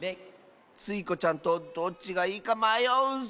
スイ子ちゃんとどっちがいいかまようッス。